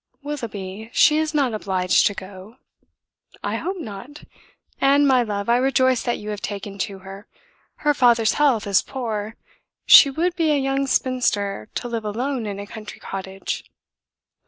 "Willoughby, she is not obliged to go." "I hope not. And, my love, I rejoice that you have taken to her. Her father's health is poor. She would be a young spinster to live alone in a country cottage."